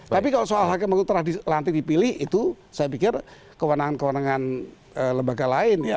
tapi kalau soal hakem agung telah dilantik dipilih itu saya pikir kewenangan kewenangan lembaga lain ya akan dihentikan